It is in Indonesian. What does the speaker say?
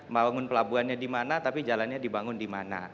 bangun pelabuhannya dimana tapi jalannya dibangun dimana